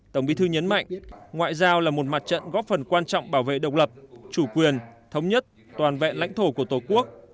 tổng bí thư nhấn mạnh ngoại giao là một mặt trận góp phần quan trọng bảo vệ độc lập chủ quyền thống nhất toàn vẹn lãnh thổ của tổ quốc